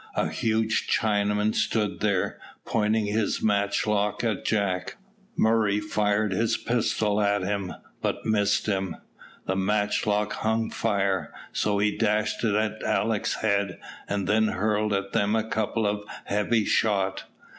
A huge Chinaman stood there, pointing his matchlock at Jack. Murray fired his pistol at him, but missed him. The matchlock hung fire, so he dashed it at Alick's head, and then hurled at them a couple of heavy shot.